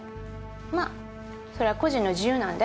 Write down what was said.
まあそれは個人の自由なんで。